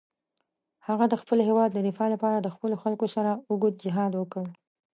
هغه د خپل هېواد د دفاع لپاره د خپلو خلکو سره اوږد جهاد وکړ.